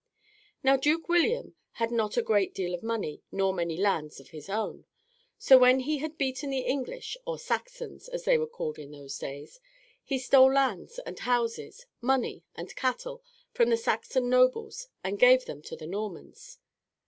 Now Duke William had not a great deal of money nor many lands of his own. So when he had beaten the English, or Saxons, as they were called in those days, he stole lands and houses, money and cattle from the Saxon nobles and gave them to the Normans.